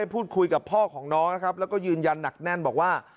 พูดคุยกับพ่อของน้องนะครับแล้วก็ยืนยันหนักแน่นบอกว่า